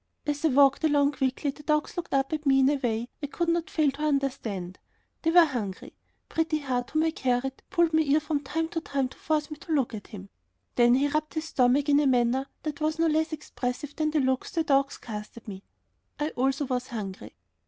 As I walked along quickly the dogs looked up at me in a way I could not fail to understand. They were hungry. Pretty Heart, whom I carried, pulled my ear from time to time to force me to look at him. Then he rubbed his stomach in a manner that was no less expressive than the looks the dogs cast at me. I also was hungry.